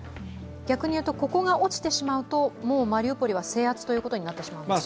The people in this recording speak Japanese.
逆に言うと、ここが落ちてしまうとマリウポリは制圧ということになってしまうんですか。